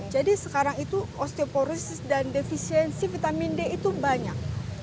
jadi sekarang itu osteoporosis dan defisiensi vitamin d itu banyak